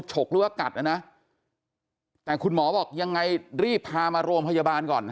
ฉกหรือว่ากัดนะนะแต่คุณหมอบอกยังไงรีบพามาโรงพยาบาลก่อนนะ